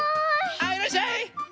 はいいらっしゃい！